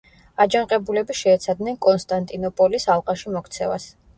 აჯანყებულები შეეცადნენ კონსტანტინოპოლის ალყაში მოქცევას.